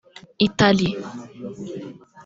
Italy)